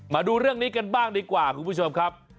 มาดูเรื่องนี้กันบ้างดีกว่าคุณผู้ชมครับ